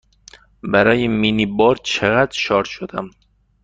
برای مینی بار چقدر شارژ شدم؟